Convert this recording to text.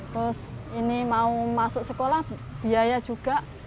terus ini mau masuk sekolah biaya juga